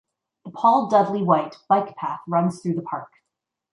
The Paul Dudley White Bike Path runs through the park.